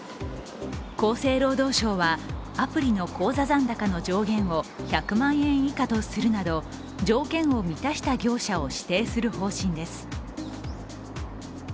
厚生労働省はアプリの口座残高の上限を１００万円以下とするなど、条件を満たした業者を指定する方針です。